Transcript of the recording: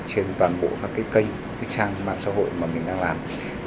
trên toàn bộ các kênh các trang mạng xã hội mà mình đang làm